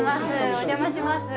お邪魔します。